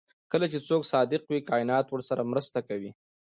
کله چې څوک صادق وي کائنات ورسره مرسته کوي.